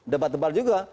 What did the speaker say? debat tebal juga